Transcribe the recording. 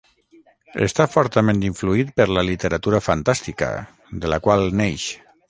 Està fortament influït per la literatura fantàstica, de la qual neix.